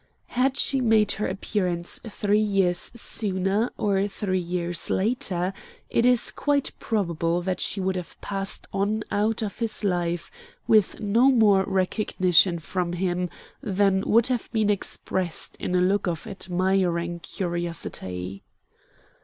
Had she made her appearance three years sooner or three years later, it is quite probable that she would have passed on out of his life with no more recognition from him than would have been expressed in a look of admiring curiosity.